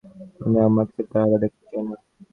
আমি আর ম্যাক্সের চেহারাও দেখতে চাই না।